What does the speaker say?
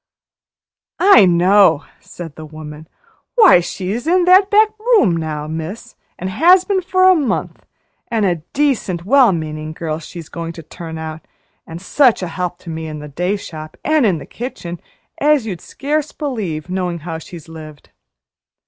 "I know!" said the woman. "Why, she's in that there back room now, miss, an' has been for a month, an' a decent, well meaning girl she's going to turn out, an' such a help to me in the day shop, an' in the kitchen, as you'd scarce believe, knowing how she's lived."